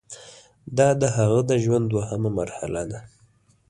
دا د هغه د ژوند دوهمه مرحله ده.